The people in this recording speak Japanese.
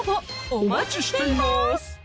お待ちしています